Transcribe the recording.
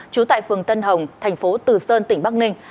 trú tại phường tân hồng thành phố từ sơn tỉnh bắc ninh